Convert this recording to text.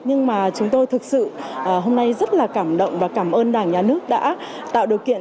nhưng mà chúng tôi thực sự hôm nay rất là cảm động và cảm ơn đảng nhà nước đã tạo điều kiện